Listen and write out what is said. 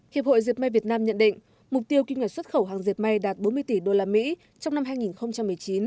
hiệp hội diệt may việt nam nhận định mục tiêu kinh ngạch xuất khẩu hàng diệt may đạt bốn mươi tỷ usd trong năm hai nghìn một mươi chín